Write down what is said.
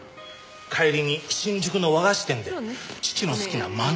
帰りに新宿の和菓子店で父の好きな饅頭を買って。